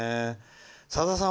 さださん